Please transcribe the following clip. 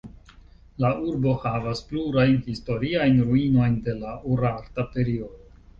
La urbo havas plurajn historiajn ruinojn de la urarta periodo.